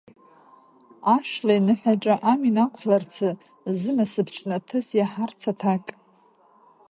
Ашла иныҳәаҿа амин ақәларцы, зынасыԥ ҿнаҭыз иаҳарцаз аҭак…